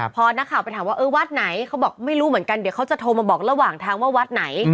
พอนักข่าวไปถามว่าเออวัดไหนเขาบอกไม่รู้เหมือนกันเดี๋ยวเขาจะโทรมาบอกระหว่างทางว่าวัดไหน